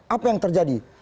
apa yang terjadi